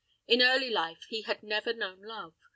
In early life he had never known love.